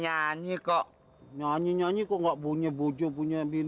nasib tidak diuntung udah tua belum pengebini